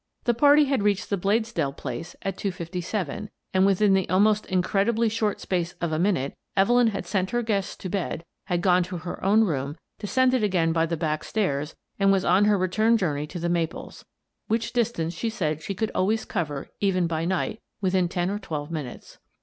The party had reached the Bladesdell place at two fifty seven, and within the almost incredibly short space of a minute Evelyn had sent her guests to bed, had gone to her own room, descended again by the back stairs, and was on her return journey to "The Maples;" which distance she said she could always cover, even by night, within ten or twelve minutes.